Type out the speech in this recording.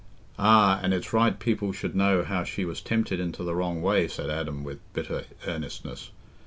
"Ah, and it's right people should know how she was tempted into the wrong way," said Adam, with bitter earnestness.